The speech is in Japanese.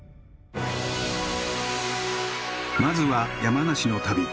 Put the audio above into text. まずは山梨の旅。